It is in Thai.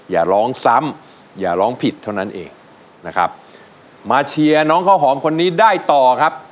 อย่าร้องซ้ำอย่าร้องผิดเท่านั้นเองนะครับมาเชียร์น้องข้าวหอมคนนี้ได้ต่อครับ